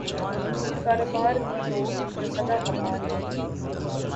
کاروبار بھی وہ جو صدا بہار ہے۔